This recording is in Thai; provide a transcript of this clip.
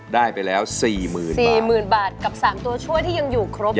ได้ไปแล้ว๔หมื่นบาท๔หมื่นบาทกับ๓ตัวช่วยที่ยังอยู่ครบเลย